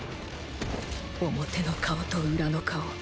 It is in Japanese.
表の顔と裏の顔。